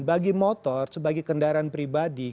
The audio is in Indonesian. bagi motor sebagai kendaraan pribadi